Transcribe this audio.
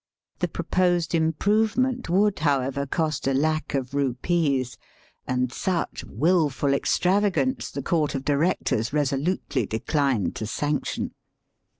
The proposed improvement would, how ever, cost a lac of rupees, and such wilful extravagance the Court of Directors resolutely decHned to sanction.